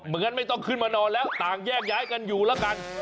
งั้นไม่ต้องขึ้นมานอนแล้วต่างแยกย้ายกันอยู่แล้วกัน